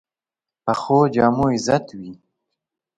پخو جامو عزت وي